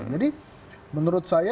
jadi menurut saya